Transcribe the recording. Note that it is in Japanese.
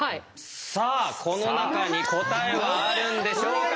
さあこの中に答えはあるんでしょうか？